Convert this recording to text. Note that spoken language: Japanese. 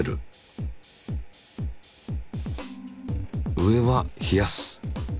上は冷やす。